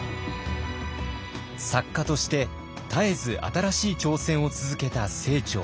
作家として絶えず新しい挑戦を続けた清張。